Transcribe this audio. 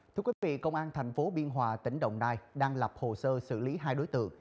thưa quý vị công an thành phố biên hòa tỉnh đồng nai đang lập hồ sơ xử lý hai đối tượng